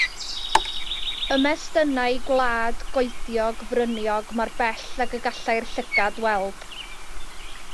Ymestynnai gwlad goediog fryniog mor bell ag y gallai'r llygad weld.